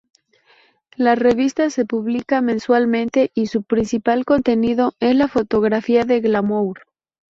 La revista se publica mensualmente y su principal contenido es la fotografía de glamour.